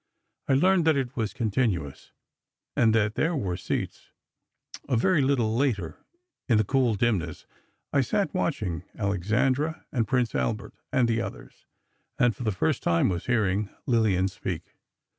I learned that it was continuous, and that there were seats. A very little later, in the cool dimness, I sat watching Alexandra and Prince Albert and the others, and for the first time was hearing Lillian speak.